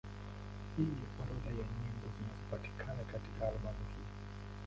Hii ni orodha ya nyimbo zinazopatikana katika albamu hii.